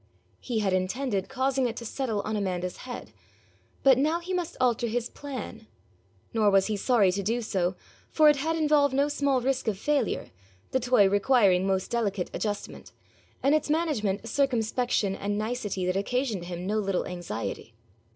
He had intended causing it to settle on Amanda's head, but now he must alter his plan. Nor was he sorry to do so, for it had involved no small risk of failure, the toy requiring most delicate adjustment, and its management a circumspection and nicety that occasioned him no little anxiety.